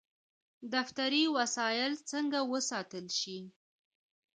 دفتري وسایل څنګه وساتل شي؟